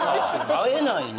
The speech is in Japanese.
会えないね